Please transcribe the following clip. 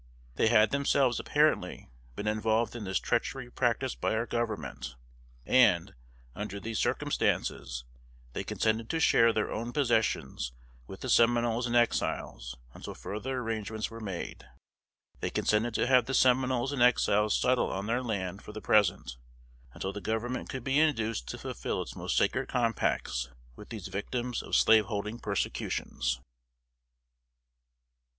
They had themselves, apparently, been involved in this treachery practiced by our Government, and, under these circumstances, they consented to share their own possessions with the Seminoles and Exiles until further arrangements were made; they consented to have the Seminoles and Exiles settle on their land for the present, until the Government could be induced to fulfill its most sacred compacts with these victims of slaveholding persecutions.